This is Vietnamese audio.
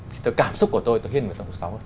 thì cảm xúc của tôi tôi hiên về tác phẩm số sáu hơn